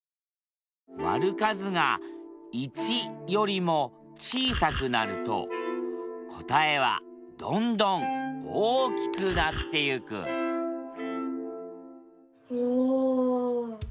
割る数が１よりも小さくなると答えはどんどん大きくなってゆくおお！